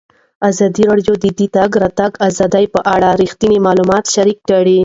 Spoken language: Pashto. ازادي راډیو د د تګ راتګ ازادي په اړه رښتیني معلومات شریک کړي.